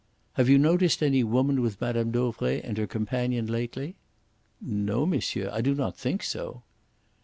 "Have you noticed any woman with Mme. Dauvray and her companion lately?" "No, monsieur. I do not think so."